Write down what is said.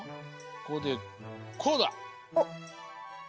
こうでこうだ！